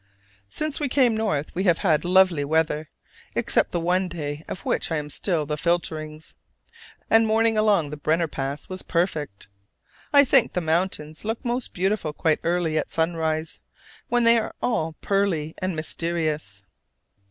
Since we came north we have had lovely weather, except the one day of which I am still the filterings: and morning along the Brenner Pass was perfect. I think the mountains look most beautiful quite early, at sunrise, when they are all pearly and mysterious.